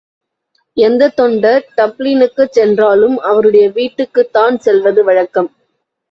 எந்தத் தொண்டர் டப்ளினுக்குச் சென்றாலும் அவருடைய வீட்டுக்குத்தான் செல்வது வழக்கம்.